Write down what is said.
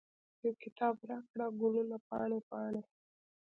یو کتاب راکړه، ګلونه پاڼې، پاڼې